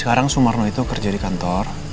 sekarang sumarno itu kerja di kantor